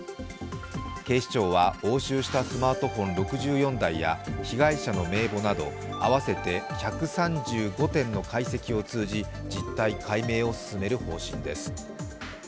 警視庁は押収したスマートフォン６４台や被害者の名簿など合わせて１３５点の解析を通じ、実態解明を進める方針です。